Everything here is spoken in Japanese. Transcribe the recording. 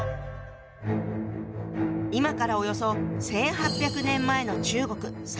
今からおよそ１，８００年前の中国三国時代。